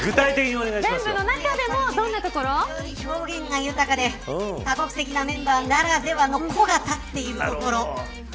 表現が豊かで多国籍なメンバーならではの個が立っているところ。